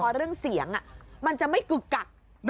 พอเรื่องเสียงมันจะไม่กึกกัก